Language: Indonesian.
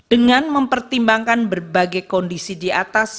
dengan mempertimbangkan berbagai kondisi di atas